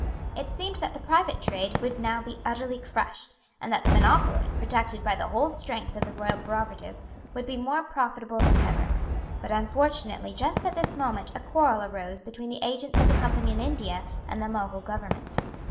It seemed that the private trade would now be utterly crushed, and that the monopoly, protected by the whole strength of the royal prerogative, would be more profitable than ever. But unfortunately just at this moment a quarrel arose between the agents of the Company in India and the Mogul Government.